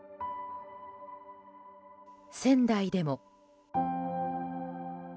仙台でも。